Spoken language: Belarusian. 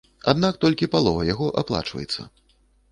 Аднак толькі палова яго аплачваецца.